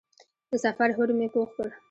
د سفر هوډ مې پوخ کړ.